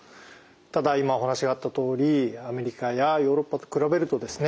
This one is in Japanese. ただ今お話があったとおりアメリカやヨーロッパと比べるとですね